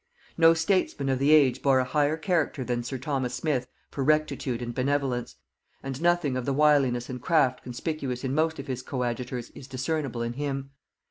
No statesman of the age bore a higher character than sir Thomas Smith for rectitude and benevolence, and nothing of the wiliness and craft conspicuous in most of his coadjutors is discernible in him.